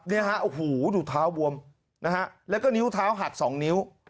เนี่ยฮะโอ้โหดูเท้าบวมนะฮะแล้วก็นิ้วเท้าหักสองนิ้ว